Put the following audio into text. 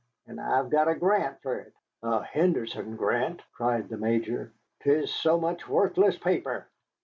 And I've got a grant fer it." "A Henderson grant!" cried the Major; "'tis so much worthless paper."